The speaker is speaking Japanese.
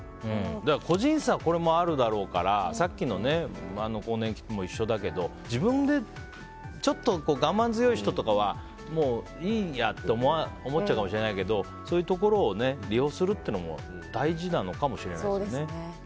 個人差、これもあるだろうからさっきの更年期も一緒だけど自分で我慢強い人とかはもういいやって思っちゃうかもしれないけどそういうところを利用するのも大事なのかもしれないですね。